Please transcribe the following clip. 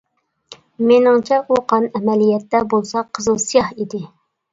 مېنىڭچە ئۇ قان، ئەمەلىيەتتە بولسا قىزىل سىياھ ئىدى.